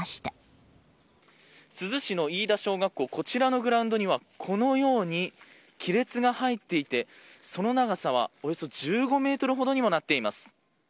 こちらのグラウンドにはこのように亀裂が入っていてその長さはおよそ１５ｍほどにもなっています。